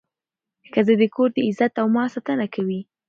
ښځه د کور د عزت او مال ساتنه کوي.